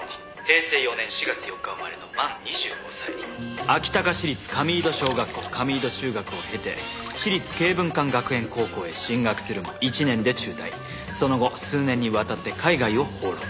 平成４年４月４日生まれの満２５歳」「阿伎高市立神井戸小学校神井戸中学を経て私立京文館学園高校へ進学するも１年で中退」「その後数年にわたって海外を放浪」